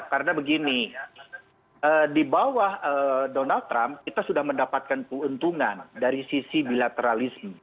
karena begini di bawah donald trump kita sudah mendapatkan keuntungan dari sisi bilateralisme